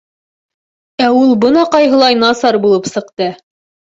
Ә ул бына ҡайһылай насар булып сыҡты!..